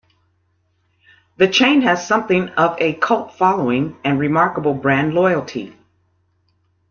The chain has something of a cult following and remarkable brand loyalty.